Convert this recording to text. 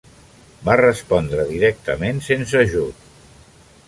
Va respondre directament sense ajut.